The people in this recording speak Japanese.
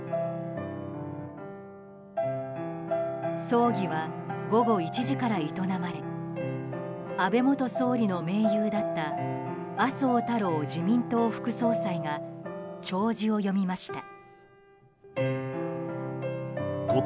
葬儀は午後１時から営まれ安倍元総理の盟友だった麻生太郎自民党副総裁が弔辞を読みました。